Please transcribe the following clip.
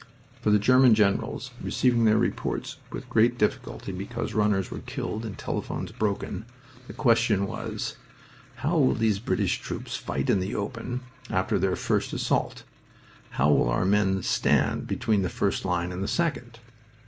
For the German generals, receiving their reports with great difficulty because runners were killed and telephones broken, the question was: "How will these British troops fight in the open after their first assault? How will our men stand between the first line and the second?"